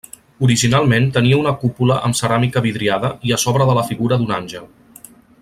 Originalment tenia una cúpula amb ceràmica vidriada i a sobre de la figura d'un àngel.